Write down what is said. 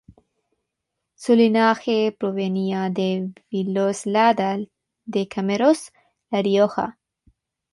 Su linaje provenía de Villoslada de Cameros, La Rioja.